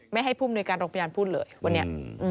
ให้ผู้มนุยการโรงพยาบาลพูดเลยวันนี้